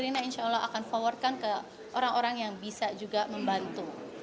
saya insyaallah akan forwardkan ke orang orang yang bisa juga membantu